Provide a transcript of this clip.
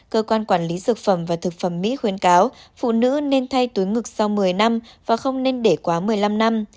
cơ quan quản lý dược phẩm và thực phẩm mỹ khuyến cáo phụ nữ nên thay túi ngực sau một mươi năm và không nên để quá một mươi năm năm